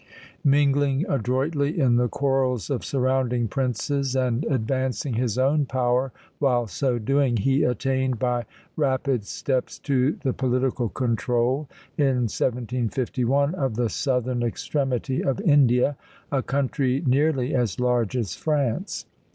Mingling adroitly in the quarrels of surrounding princes, and advancing his own power while so doing, he attained by rapid steps to the political control, in 1751, of the southern extremity of India, a country nearly as large as France.